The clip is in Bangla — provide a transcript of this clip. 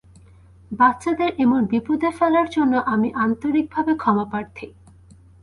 বাচ্চাদের এমন বিপদে ফেলার জন্য আমি আন্তরিকভাবে ক্ষমাপ্রার্থী।